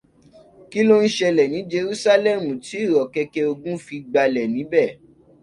Kí ló ń ṣẹlẹ ní Jerúsálẹ́mù tí ìrọkẹkẹ ogun fi gbalẹ̀ níbẹ̀?